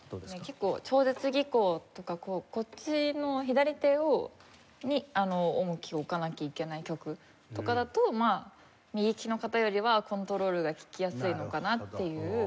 結構超絶技巧とかこっちの左手に重きを置かなきゃいけない曲とかだと右ききの方よりはコントロールが利きやすいのかなっていう。